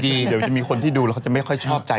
เดี๋ยวจะมีคนที่ดูแล้วเขาจะไม่ค่อยชอบใจ